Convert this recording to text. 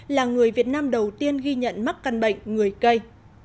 là người việt nam đầu tiên ghi nhận mắc căn bệnh người cây